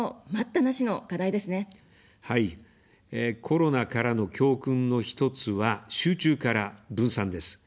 コロナからの教訓の一つは、集中から分散です。